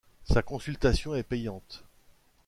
Sa consultation est payante.